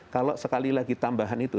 kalau sekali lagi tambahan itu